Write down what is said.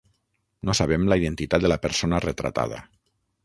No sabem la identitat de la persona retratada.